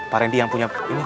pak randy yang punya ini